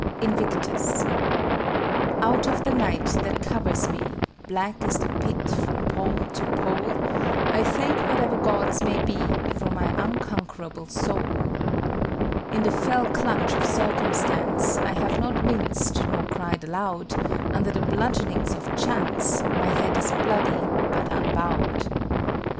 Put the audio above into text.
INVICTUS Out of the night that covers me, Black as the pit from pole to pole, I thank whatever Gods may be For my unconquerable soul. In the fell clutch of circumstance I have not winced nor cried aloud; Under the bludgeonings of chance My head is bloody, but unbowed.